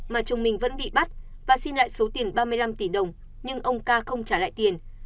mà chồng mình vẫn bị bắt và xin lại số tiền ba mươi năm tỷ đồng nhưng ông ca không trả lại tiền